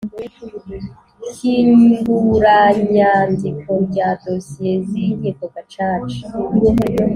hyinguranyyandiko ryaa dosiye z Inkiko Gaccaca